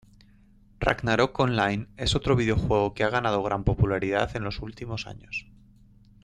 Ragnarok Online es otro videojuego que ha ganado gran popularidad en los últimos años.